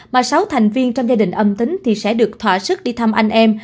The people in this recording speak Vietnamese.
mà sáu thành viên trong gia đình âm tính thì sẽ được thỏa sức đi thăm anh em